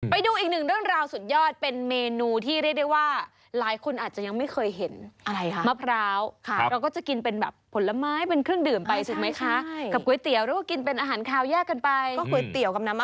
ไปดูอีกหนึ่งเรื่องราวสุดยอดเป็นเมนูที่เรียกได้ว่า